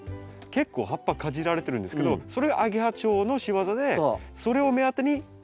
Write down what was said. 結構葉っぱかじられてるんですけどそれアゲハチョウの仕業でそれを目当てにアシナガバチが来るんですね。